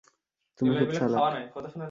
তুমি খুব চালাক।